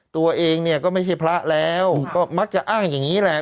ตัวเองเนี่ยก็ไม่ใช่พระแล้วก็มักจะอ้างอย่างนี้แหละ